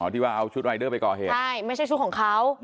ที่ว่าเอาชุดรายเดอร์ไปก่อเหตุใช่ไม่ใช่ชุดของเขา